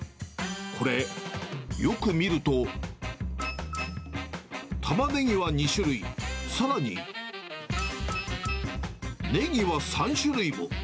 これ、よく見ると、たまねぎは２種類、さらに、ねぎは３種類も。